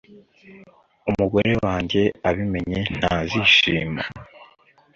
Umugore wanjye abimenye ntazishima